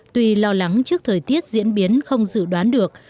tuy lo lắng trước thời tiết diễn biến không dự đoán được